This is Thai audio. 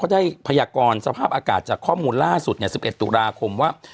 ได้พยากรสภาพอากาศจากข้อมูลล่าสุด๑๑ตุลาคมว่า